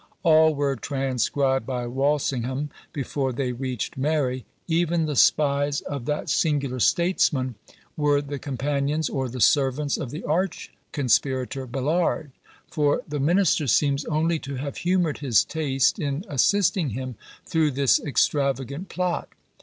All were transcribed by Walsingham before they reached Mary. Even the spies of that singular statesman were the companions or the servants of the arch conspirator Ballard; for the minister seems only to have humoured his taste in assisting him through this extravagant plot.